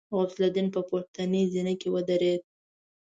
غوث الدين په پورتنۍ زينه کې ودرېد.